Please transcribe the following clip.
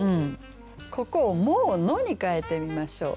ここを「も」を「の」に変えてみましょう。